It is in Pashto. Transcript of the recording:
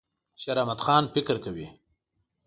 شیراحمدخان فکر کوي.